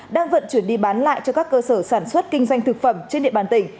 đang vận chuyển đi bán lại cho các cơ sở sản xuất kinh doanh thực phẩm trên địa bàn tỉnh